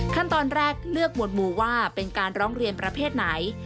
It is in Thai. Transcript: ขั้นตอนแรกเลือกหมวดหมู่ว่าเป็นการร้องเรียนประเภทไหน